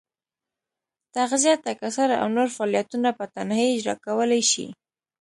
تغذیه، تکثر او نور فعالیتونه په تنهایي اجرا کولای شي.